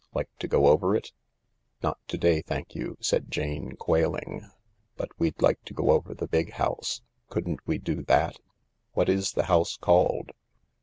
Like to go over it ?"" Not to day, thank you,"said Jane, quailing, " but we'd like to go over the big house. Couldn't we do that ? What is the house called